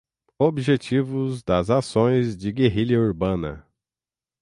Objetivos das Ações de Guerrilha Urbana